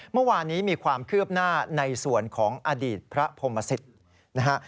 เมื่อวานนี้มีความคืบหน้าในส่วนของอดีตพระพรมศิษย์นะฮะ